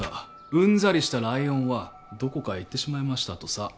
うんざりしたライオンはどこかへ行ってしまいましたとさ。